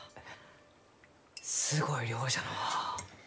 すごい量じゃのう。